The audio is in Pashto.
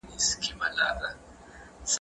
که موږ ټول نظام ته وګورو نو تصویر روښانه کیږي.